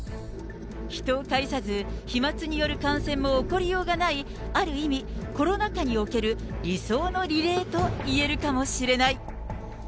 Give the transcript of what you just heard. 人を介さず、飛まつによる感染も起こりようがない、ある意味、コロナ禍における理想のリレーといえるかもしれない。